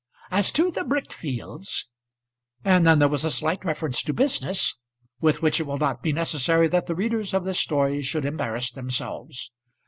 As to the brick fields ." And then there was a slight reference to business, with which it will not be necessary that the readers of this story should embarrass themselves.